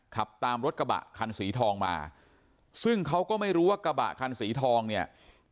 ขับตามรถกระบะคันสีทองมาซึ่งเขาก็ไม่รู้ว่ากระบะคันสีทองเนี่ย